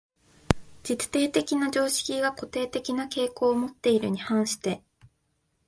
実定的な常識が固定的な傾向をもっているに反して、